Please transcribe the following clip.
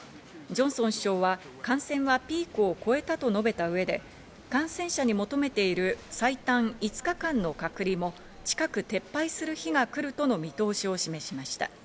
ジョンソン首相は感染はピークを越えたと述べた上で、感染者に求めている最短５日間の隔離も近く撤廃する日が来るとの見通しを示しました。